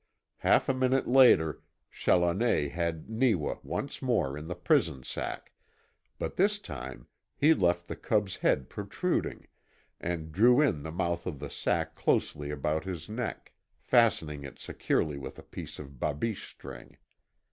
Half a minute later Challoner had Neewa once more in the prison sack, but this time he left the cub's head protruding, and drew in the mouth of the sack closely about his neck, fastening it securely with a piece of babiche string.